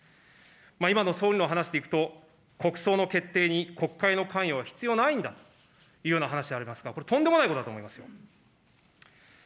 今の総理のお話でいくと、国葬の決定に国会の関与は必要ないんだというような話がありますが、これ、とんでもないことだと思いますよ。